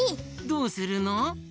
どうするの？